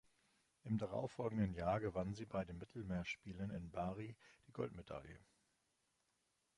Im darauffolgenden Jahr gewann sie bei den Mittelmeerspielen in Bari die Goldmedaille.